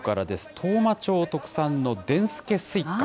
当麻町特産のでんすけすいか。